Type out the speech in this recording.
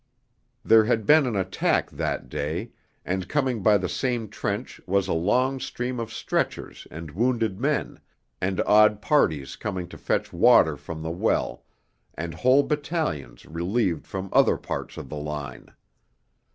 There had been an attack that day, and coming by the same trench was a long stream of stretchers and wounded men, and odd parties coming to fetch water from the well, and whole battalions relieved from other parts of the line.